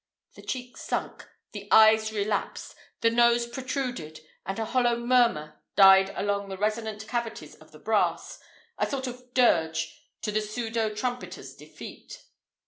The cheeks sunk, the eyes relapsed, the nose protruded, and a hollow murmur died along the resonant cavities of the brass a sort of dirge to the pseudo trumpeter's defeat.